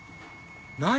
何？